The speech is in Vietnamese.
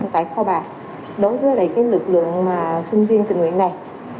tại kho bạc đối với lực lượng sinh viên tình nguyện này